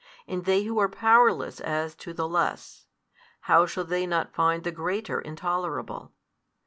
And they who are powerless as to the less, how shall they not find the greater intolerable?